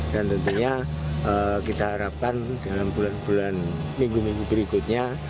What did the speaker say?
dan tentunya kita harapkan dalam bulan bulan minggu minggu berikutnya